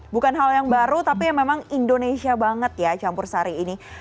bukan hal yang baru tapi memang indonesia banget ya campur sari ini